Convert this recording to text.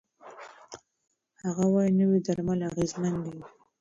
هغه وايي، نوي درمل اغېزمن دي.